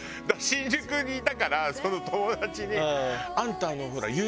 だから新宿にいたからその友達に「あんたあのほら」。